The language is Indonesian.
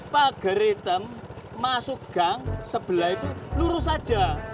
pageritem masuk gang sebelah itu lurus aja